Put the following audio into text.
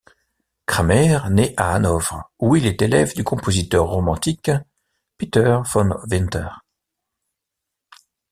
Kramer naît à Hanovre où il est élève du compositeur romantique Peter von Winter.